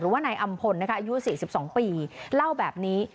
ถือว่าในอำพละอยู่๔๒ปีเล่าแบบนี้